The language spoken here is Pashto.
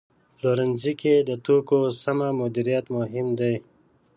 په پلورنځي کې د توکو سمه مدیریت مهم دی.